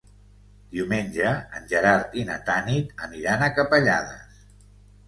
Diumenge en Gerard i na Tanit aniran a Capellades.